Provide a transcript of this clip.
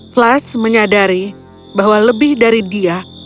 flash menyadari bahwa lebih dari dia